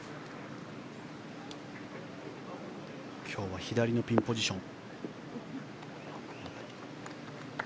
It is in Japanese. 今日は左のピンポジション。